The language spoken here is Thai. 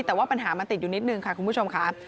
แต่ว่าปัญหามันติดอยู่นิดนึงค่ะคุณผู้ชมค่ะ